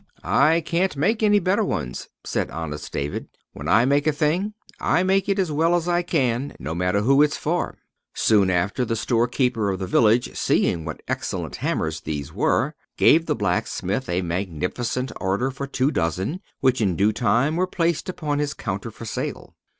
"I can't make any better ones," said honest David. "When I make a thing, I make it as well as I can, no matter who it's for." Soon after, the store keeper of the village, seeing what excellent hammers these were, gave the blacksmith a magnificent order for two dozen, which, in due time, were placed upon his counter for sale.